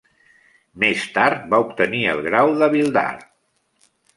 Més tard va obtenir el grau d'havildar.